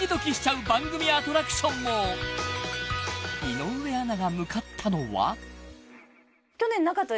［井上アナが向かったのは？］